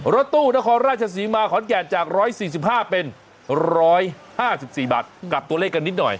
รถตู้นครราชศรีมาขอนแก่นจาก๑๔๕เป็น๑๕๔บาทกับตัวเลขกันนิดหน่อย